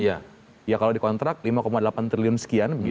iya ya kalau dikontrak lima delapan triliun sekian